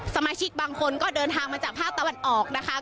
สมาชิกบางคนก็เดินทางมาจากภาคตะวันออกนะคะ